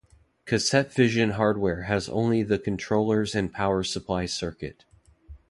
Cassette Vision hardware has only the controllers and power supply circuit.